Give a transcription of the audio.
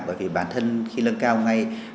bởi vì bản thân khi lưng cao ngay